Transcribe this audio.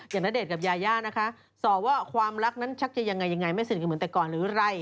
ณเดชน์กับยายานะคะสอบว่าความรักนั้นชักจะยังไงยังไงไม่สนิทกันเหมือนแต่ก่อนหรือไร